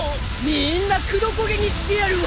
みんな黒焦げにしてやるわ！